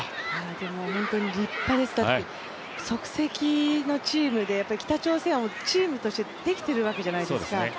でも本当に立派です、即席のチームで、北朝鮮はチームとしてできているわけじゃないですか。